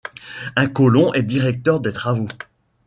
Un colon est directeur des travaux.